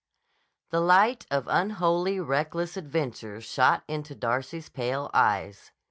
The light of unholy, reckless adventure shot into Darcy's pale eyes.